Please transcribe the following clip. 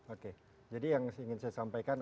oke jadi yang ingin saya sampaikan